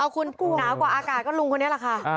คุณหนาวกว่าอากาศก็ลุงคนนี้แหละค่ะ